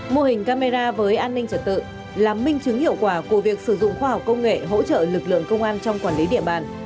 mô hình camera với an ninh trật tự là minh chứng hiệu quả của việc sử dụng khoa học công nghệ hỗ trợ lực lượng công an trong quản lý địa bàn